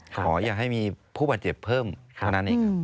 ขออย่าให้มีผู้ป่าเจ็บเพิ่มทางนั้นอีก